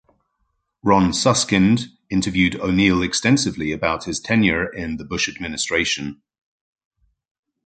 Ron Suskind interviewed O'Neill extensively about his tenure in the Bush Administration.